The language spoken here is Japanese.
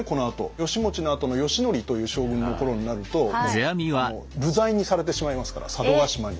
義持のあとの義教という将軍の頃になると流罪にされてしまいますから佐渡島に。